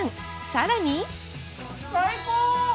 さらに。